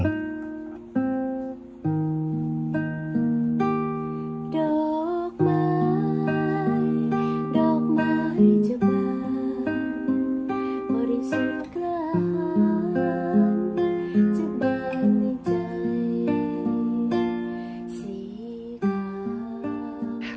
หลายดอกไม้จะบางหรือสีกระหาจะบางในใจสีกา